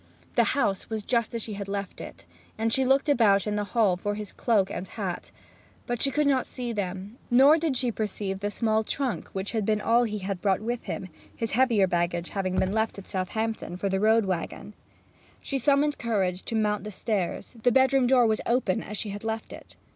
The house was just as she had left it, and she looked about in the hall for his cloak and hat, but she could not see them; nor did she perceive the small trunk which had been all that he brought with him, his heavier baggage having been left at Southampton for the road waggon. She summoned courage to mount the stairs; the bedroom door was open as she had left it.